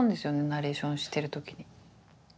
ナレーションしてる時に。